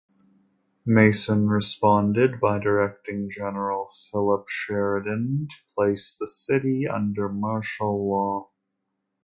Mason responded by directing General Philip Sheridan to place the city under martial law.